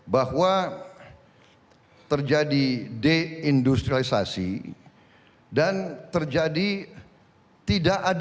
bahwa terjadi deindustrialisasi dan terjadi tidak ada